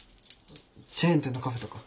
チェーン店のカフェとか？